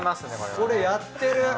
これやってる。